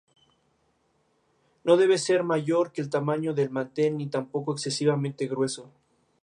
No debe ser mayor que el tamaño del mantel ni tampoco excesivamente grueso.